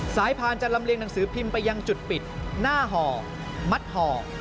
พานจะลำเลียงหนังสือพิมพ์ไปยังจุดปิดหน้าห่อมัดห่อ